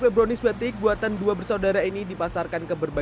kue brownies batik buatan dua bersaudara ini dipasarkan keberbunyian